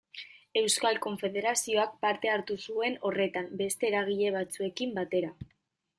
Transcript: Euskal Konfederazioak parte hartu zuen horretan beste eragile batzuekin batera.